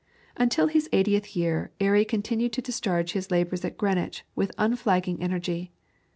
Until his eightieth year Airy continued to discharge his labours at Greenwich with unflagging energy.